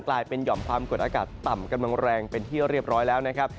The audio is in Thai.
กลายเป็นหย่อมความกดอากาศต่ำกำลังแรงเป็นที่เรียบร้อยแล้วนะครับ